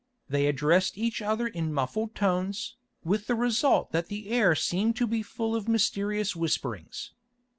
They addressed each other in muffled tones, with the result that the air seemed to be full of mysterious whisperings.